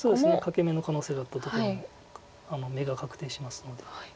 欠け眼の可能性があったとこの眼が確定しますので。